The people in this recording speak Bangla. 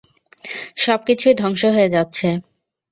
সবকিছুই ধ্বংস হয়ে যাচ্ছে।